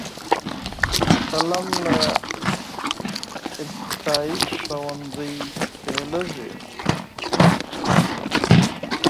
قلم له ابتدايي ښوونځي پیلیږي.